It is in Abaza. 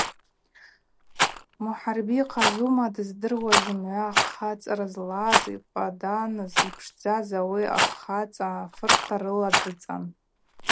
Мухӏарби йхъазума – дыздыруаз зымгӏва хъацӏара злаз, йкъваданыз, йпшдзаз ауи ахъацӏа фырта рыла дыцӏан.